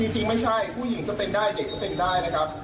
จริงไม่ใช่ผู้หญิงก็เป็นได้เด็กก็เป็นได้นะครับ